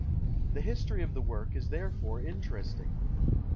The history of the work is therefore interesting.